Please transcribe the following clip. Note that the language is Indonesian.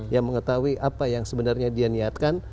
yang mengetahui apa yang sebenarnya dia niatkan